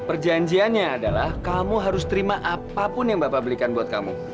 perjanjiannya adalah kamu harus terima apapun yang bapak belikan buat kamu